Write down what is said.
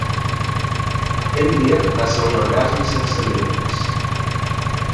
Aquell dia va ser un orgasme sense límits.